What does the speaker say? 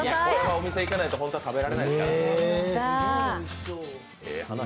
お店に行かないと本当は食べられないですから。